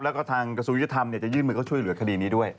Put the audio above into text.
แล้วก็ทางกระทรวงยุทธรรมจะยื่นมือเข้าช่วยเหลือคดีนี้ด้วย